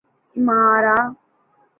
ایمارا